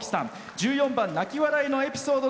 １４番「泣き笑いのエピソード」